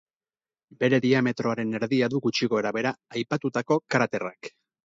Bere diametroaren erdia du gutxi gorabehera aipatutako kraterrak.